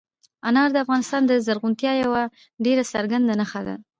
انار د افغانستان د زرغونتیا یوه ډېره څرګنده نښه ده.